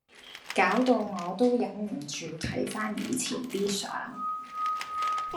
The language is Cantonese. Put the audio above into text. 搞到我都忍唔住睇番以前啲相⠀